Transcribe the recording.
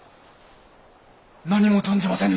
何も存じませぬ。